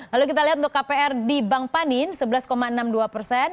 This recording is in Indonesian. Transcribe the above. lalu kita lihat untuk kpr di bank panin sebelas enam puluh dua persen